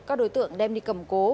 các đối tượng đem đi cầm cố